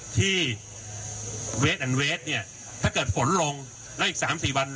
ที่เวทอันเวสเนี่ยถ้าเกิดฝนลงแล้วอีก๓๔วัน